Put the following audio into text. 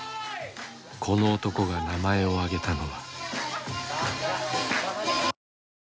この男が名前を挙げたのは。